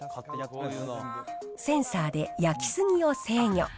センサーで焼き過ぎを制御。